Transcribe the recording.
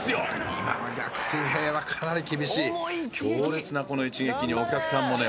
今の逆水平はかなり厳しい強烈なこの一撃にお客さんもね